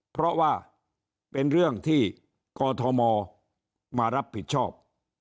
เพราะว่าเป็นเรื่องที่กอทมมารับผิดชอบ